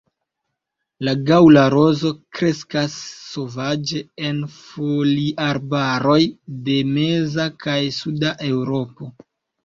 La gaŭla rozo kreskas sovaĝe en foliarbaroj de meza kaj suda Eŭropo.